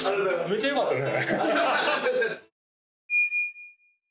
めっちゃよかったよね